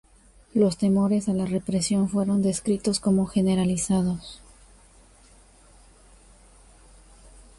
Los temores a la represión fueron descritos como generalizados.